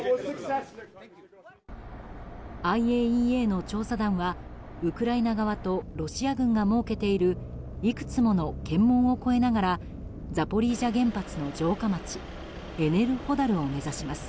ＩＡＥＡの調査団はウクライナ側とロシア軍が設けているいくつもの検問を越えながらザポリージャ原発の城下町エネルホダルを目指します。